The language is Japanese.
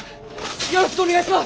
よろしくお願いします！